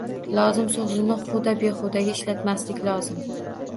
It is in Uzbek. “Lozim” so‘zini huda-behudaga ishlatmaslik lozim.